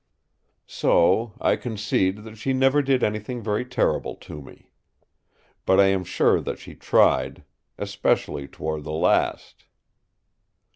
So I concede that she never did anything very terrible to me. But I am sure that she tried, especially toward the last."